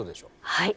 はい。